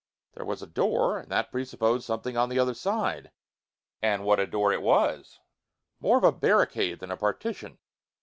There was a door, and that presupposed something on the other side. And what a door it was! More of a barricade than a partition.